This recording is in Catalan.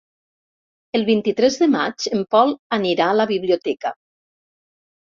El vint-i-tres de maig en Pol anirà a la biblioteca.